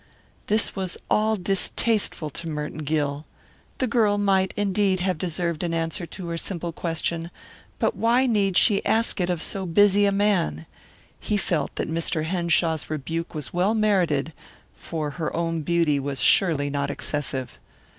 This was all distasteful to Merton Gill. The girl might, indeed, have deserved an answer to her simple question, but why need she ask it of so busy a man? He felt that Mr. Henshaw's rebuke was well merited, for her own beauty was surely not excessive.